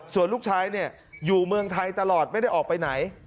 ส่วนลูกชายอยู่เมืองไทยตลอดไม่ได้ออกไปไหน